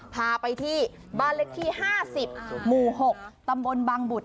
พาไปที่บ้านเล็กที่๕๐หมู่๖ตำบลบางบุตร